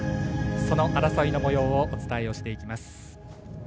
その争いのもようをお伝えしていきます。